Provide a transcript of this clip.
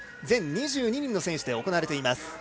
全２２人の選手で行われています